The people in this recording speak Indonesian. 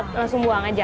kita langsung buang aja